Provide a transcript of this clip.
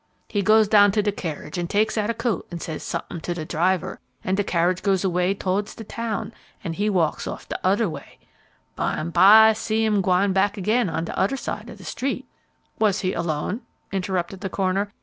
He goes down to de kerridge an' takes out a coat an' says sump' in to de driver, an' de kerridge goes away tow'ds de town, an' he walks off de oder way. Bime'by I see 'im gwine back again on de oder side ob de street " "Was he alone?" interrupted the coroner.